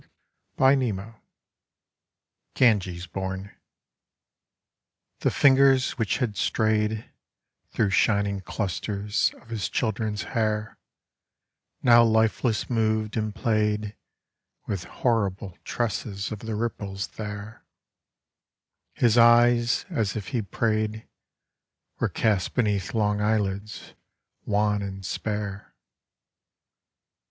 GANGES BORNE The fingers which had stray'd Thro' shining clusters of his children's hair Now lifeless moved, and play'd With horrible tresses of the ripples there; His eyes, as if he pray'd, Were cast beneath long eyelids, wan and spare.